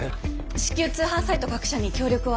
至急通販サイト各社に協力を仰ぎます。